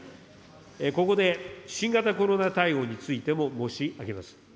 ここで新型コロナ対応についても申し上げます。